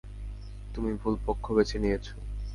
তুমি ভুল পক্ষ বেছে নিয়েছ।